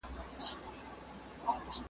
چي به کله ښکاري باز پر را ښکاره سو .